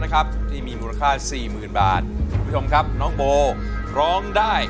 เล่นที่๓มูลค่า๔๐๐๐๐บาทน้องโบร้อง